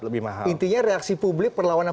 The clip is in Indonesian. lebih mahal intinya reaksi publik perlawanan